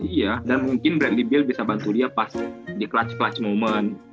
iya dan mungkin bradley beal bisa bantu dia pas di clutch clutch moment